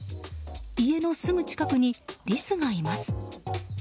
家のすぐ近くに、リスがいます。